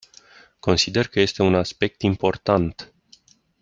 Consider că este un aspect important.